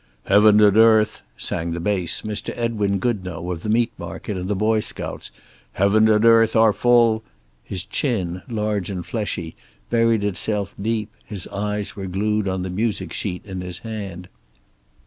"Heaven and earth," sang the bass, Mr. Edwin Goodno, of the meat market and the Boy Scouts. "Heaven and earth, are full " His chin, large and fleshy, buried itself deep; his eyes were glued on the music sheet in his hand.